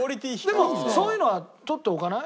でもそういうのは取っておかない？